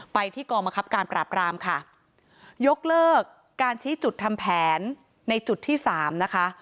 ไปที่กรมกรับกรามค่ะยกเลิกการชี้จุดทำแผนในจุดที่๓นะคะ